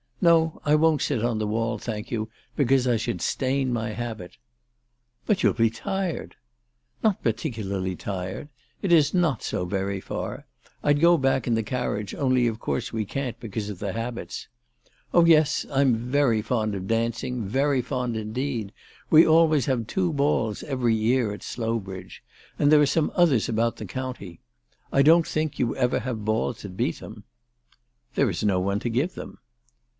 No ; I won't sit on the wall, thank you, because I should stain my habit." " But you'll be tired." " Not particularly tired. It is not so very far. I'd go back in the carriage, only of course we can't because of the habits. Oh, yes ; I'm very fond of dancing, very fond indeed. We always have two balls every year at Slowbridge. And there are some others about the county. I don't think you ever have balls at Beetham." " There is no one to give them."